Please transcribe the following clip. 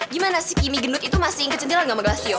gimana sih kimi gendut itu masih ikut cendela gak sama gelasio